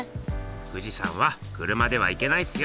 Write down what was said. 富士山は車では行けないっすよ。